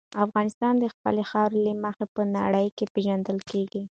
افغانستان د خپلې خاورې له مخې په نړۍ کې پېژندل کېږي.